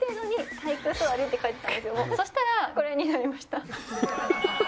そしたらこれになりました。